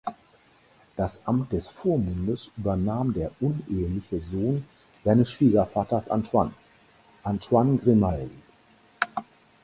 Das Amt des Vormundes übernahm der uneheliche Sohn seines Schwiegervaters Antoine, Antoine Grimaldi.